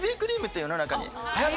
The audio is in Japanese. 世の中に。